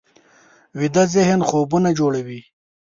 ویده ذهن خوبونه جوړوي